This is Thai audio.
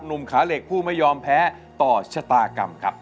หนุ่มขาเหล็กผู้ไม่ยอมแพ้ต่อชะตากรรมครับ